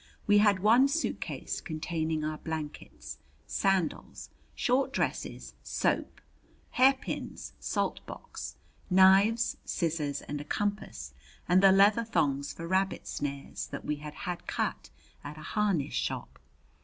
We had one suitcase containing our blankets, sandals, short dresses, soap, hairpins, salt box, knives, scissors, and a compass, and the leather thongs for rabbit snares that we had had cut at a harness shop.